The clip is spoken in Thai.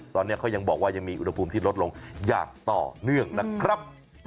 ตอนนี้เขายังบอกว่ายังมีอุณหภูมิที่ลดลงอย่างต่อเนื่องนะครับ